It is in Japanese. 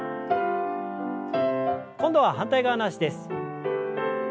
今度は反対側の脚です。